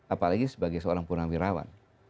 apalagi sebagai seorang purnawirawan